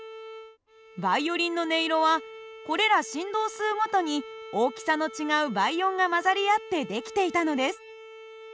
バイオリンの音色はこれら振動数ごとに大きさの違う倍音が混ざり合って出来ていたのです。